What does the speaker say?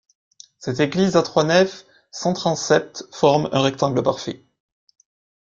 Cette église à trois nefs sans transept forme un rectangle parfait.